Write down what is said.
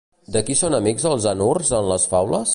De qui són amics els anurs en les faules?